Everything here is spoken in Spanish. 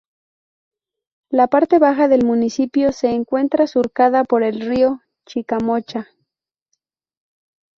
La parte baja del municipio se encuentra surcada por el río Chicamocha.